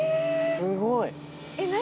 すごい！何？